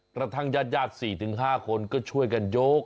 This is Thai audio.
กระทั่งญาติญาติสี่ถึงห้าคนก็ช่วยกันยก